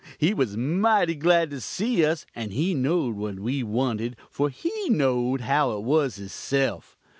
He was mity glad to see us, and he knowd what we wanted, for he knowd how it was hisself.